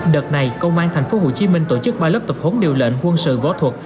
đợt này công an tp hcm tổ chức ba lớp tập huấn điều lệnh quân sự võ thuật